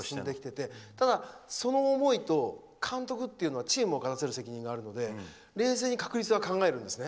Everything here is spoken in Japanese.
ただ、その思いと監督というのはチームを勝たせる責任があるので冷静に確率は考えるんですね。